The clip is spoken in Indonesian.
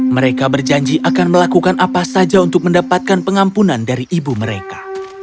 mereka berjanji akan melakukan apa saja untuk mendapatkan pengampunan dari ibu mereka